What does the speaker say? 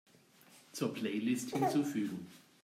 Zur Playlist hinzufügen.